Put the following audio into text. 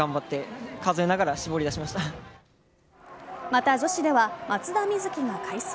また、女子では松田瑞生が快走。